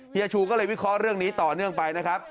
เฮียชูก็เลยวิเคราะห์เรื่องนี้ต่อเนื่องไปนะครับ